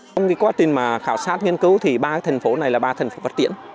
trong quá trình khảo sát nghiên cứu ba thành phố này là ba thành phố vật tiễn